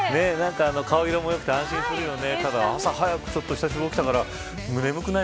顔色も良くて安心するよね。